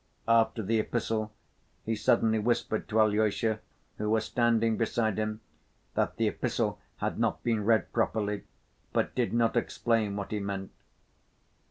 After the Epistle he suddenly whispered to Alyosha, who was standing beside him, that the Epistle had not been read properly but did not explain what he meant.